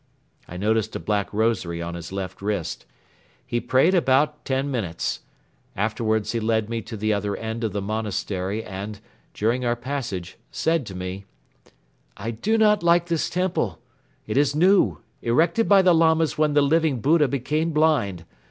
I noticed a black rosary on his left wrist. He prayed about ten minutes. Afterwards he led me to the other end of the monastery and, during our passage, said to me: "I do not like this temple. It is new, erected by the Lamas when the Living Buddha became blind.